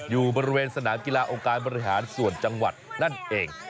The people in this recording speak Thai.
อยู่บริเวณสนามกีฬาองค์การบริหารส่วนจังหวัดนั่นเอง